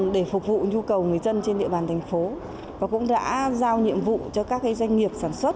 để phục vụ nhu cầu người dân trên địa bàn thành phố và cũng đã giao nhiệm vụ cho các doanh nghiệp sản xuất